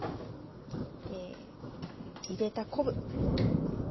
入れた昆布。